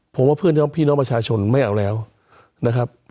ผมว่าเพื่อนพี่น้องประชาชนไม่เอาแล้วนะครับ